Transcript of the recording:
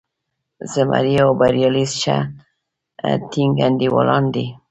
زمری او بریالی ښه ټینګ انډیوالان دي.